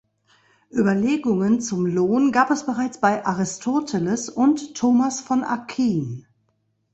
Überlegungen zum Lohn gab es bereits bei Aristoteles und Thomas von Aquin.